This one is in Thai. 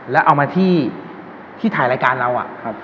แล้วเอามาที่ถ่ายรายการเราอะ